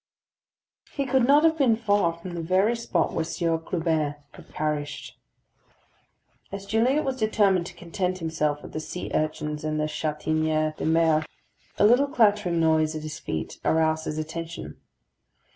He could not have been far from the very spot where Sieur Clubin had perished. As Gilliatt was determining to content himself with the sea urchins and the châtaignes de mer, a little clattering noise at his feet aroused his attention.